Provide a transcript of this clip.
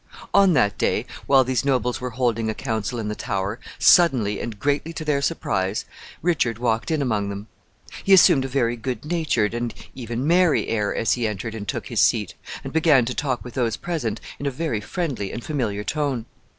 On that day, while these nobles were holding a council in the Tower, suddenly, and greatly to their surprise, Richard walked in among them. He assumed a very good natured and even merry air as he entered and took his seat, and began to talk with those present in a very friendly and familiar tone.